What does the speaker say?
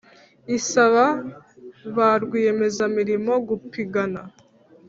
isaba ba rwiyemezamirimo gupigana